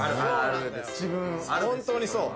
本当にそう。